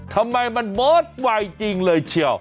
ทำไมมันเบิร์ดไวจริงเลยเชียว